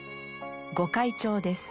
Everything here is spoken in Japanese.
御開帳です。